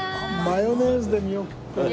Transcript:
マヨネーズで見送ってる。